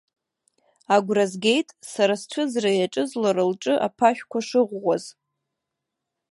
Агәра згеит, сара сцәыӡра иаҿыз, лара лҿы аԥашәқәа шыӷәӷәаз.